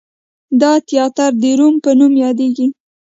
دا تیاتر د روم په نوم یادیږي.